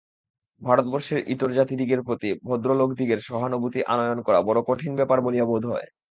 ভারতবর্ষের ইতর জাতিদিগের প্রতি ভদ্রলোকদিগের সহানুভূতি আনয়ন করা বড় কঠিন ব্যাপার বলিয়া বোধ হয়।